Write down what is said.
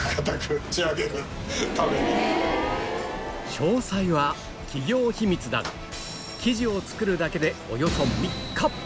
詳細は企業秘密だが生地を作るだけでおよそ３日